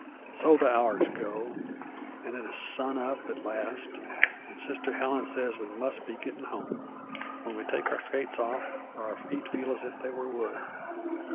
So the hours go, an' it is sun up at last, an' Sister Helen says we must be gettin' home. When we take our skates off, our feet feel as if they were wood.